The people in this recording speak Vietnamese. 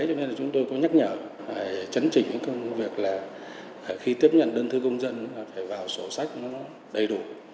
cho nên là chúng tôi có nhắc nhở phải chấn trình cái công việc là khi tiếp nhận đơn thư công dân phải vào sổ sách nó đầy đủ